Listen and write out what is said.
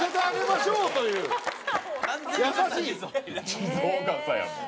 地蔵笠やもん。